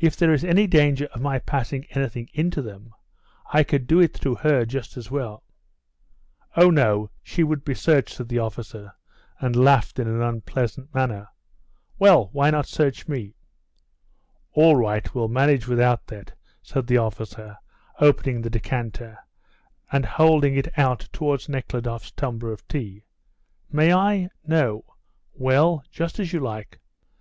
If there is any danger of my passing anything in to them I could do it through her just as well." "Oh, no; she would be searched," said the officer, and laughed in an unpleasant manner. "Well, why not search me?" "All right; we'll manage without that," said the officer, opening the decanter, and holding it out towards Nekhludoff's tumbler of tea. "May I? No? Well, just as you like.